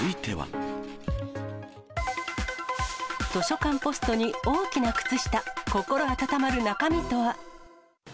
図書館ポストに大きな靴下、心温まる中身とは。